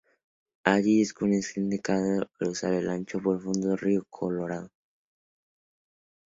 Allí descubrieron un excelente vado para cruzar el ancho y profundo río Colorado.